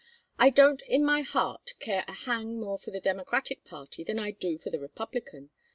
"I don't in my heart care a hang more for the Democratic party than I do for the Republican.